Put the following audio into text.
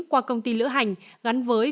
qua công ty lữ hành gắn với